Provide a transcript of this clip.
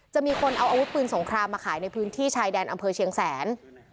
มีคนเอาอาวุธปืนสงครามมาขายในพื้นที่ชายแดนอำเภอเชียงแสน